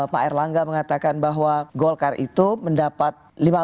pak erlangga mengatakan bahwa golkar itu mendapat lima belas delapan belas